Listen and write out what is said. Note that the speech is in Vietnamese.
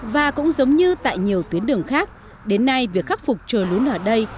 và cũng giống như tại nhiều tuyến đường khác đến nay việc khắc phục trồi lún ở đây